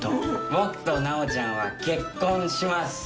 僕と奈央ちゃんは結婚します。